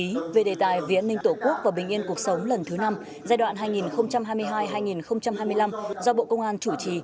báo chí về đề tài vì an ninh tổ quốc và bình yên cuộc sống lần thứ năm giai đoạn hai nghìn hai mươi hai hai nghìn hai mươi năm do bộ công an chủ trì